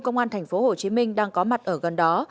công an tp hcm đang có mặt ở gần đó